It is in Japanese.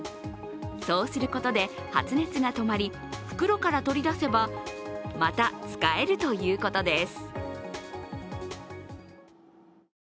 そうすることで発熱が止まり、袋から取り出せばまた使えるということです。